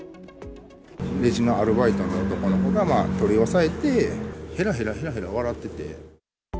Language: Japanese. レジのアルバイトの男の子が取り押さえて、へらへらへらへら笑ってて。